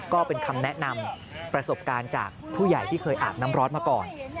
ก็เป็นคำแนะนำประสบการณ์จากผู้ใหญ่ที่เคยอาบน้ำร้อนมาก่อน